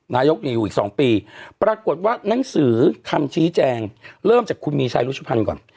นายกอยู่อยู่อีก๒ปีปรากฏว่านังสือคำชี้แจงเริ่มจากคุณมีชัยรุชุพันธ์ก่อน